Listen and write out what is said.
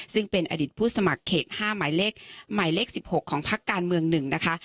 ซึ่งเป็นอดิตผู้สมัครเขตห้าหมายเลขหมายเลขสิบหกของพักการเมืองหนึ่งนะคะ